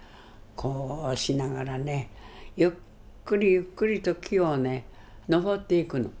こうしながらねゆっくりゆっくりと木をね登っていくの。